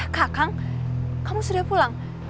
kakang kamu sudah pulang